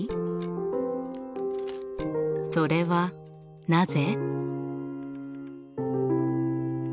それはなぜ？